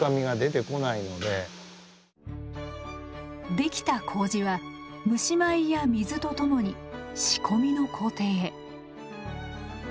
できた麹は蒸米や水とともに仕込みの工程へ。